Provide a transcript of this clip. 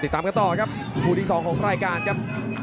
ติดตามกันต่อครับครูที่สองของพรายการครับ